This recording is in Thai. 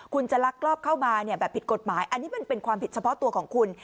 คุณจะลักลอบเข้ามาแบบผิดกฎหมายอันนี้มันเป็นความผิดเฉพาะตัวของคุณ